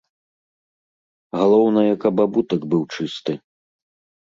Галоўнае, каб абутак быў чысты.